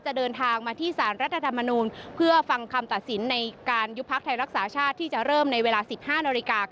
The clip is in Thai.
เดินทางมาที่สารรัฐธรรมนูลเพื่อฟังคำตัดสินในการยุบพักไทยรักษาชาติที่จะเริ่มในเวลา๑๕นาฬิกา